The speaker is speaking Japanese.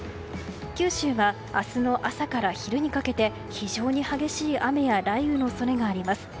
九州は明日の朝から昼にかけて非常に激しい雨や雷雨の恐れがあります。